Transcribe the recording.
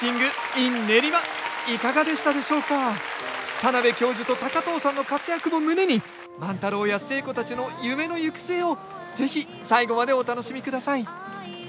田邊教授と高藤さんの活躍も胸に万太郎や寿恵子たちの夢の行く末を是非最後までお楽しみください